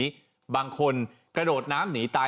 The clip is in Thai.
พ่อค้าบางคนกระโดดน้ำหนีตาย